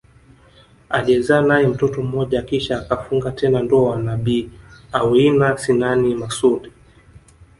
Aliyezaa nae mtoto mmoja kisha akafunga tena ndoa na Bi Aweina Sinani Masoud